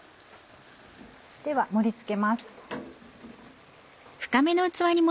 では盛り付けます。